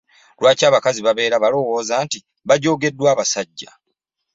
Lwaki abakazi babeera balowooza nti bajoogebwa abasajja?